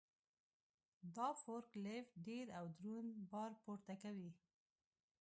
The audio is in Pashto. دا فورک لیفټ ډېر او دروند بار پورته کوي.